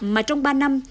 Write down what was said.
mà trong ba năm